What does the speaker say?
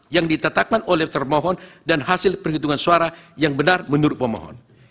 yang ditetapkan oleh termohon dan hasil perhitungan suara yang benar menurut pemohon